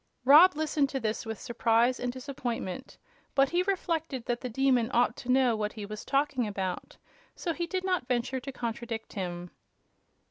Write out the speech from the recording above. Rob listened to this with surprise and disappointment; but he reflected that the Demon ought to know what he was talking about, so he did not venture to contradict him.